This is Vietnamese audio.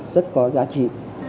rất có giá trị